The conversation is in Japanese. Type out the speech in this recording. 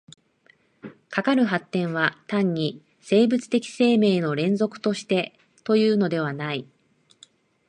かかる発展は単に生物的生命の連続としてというのではない。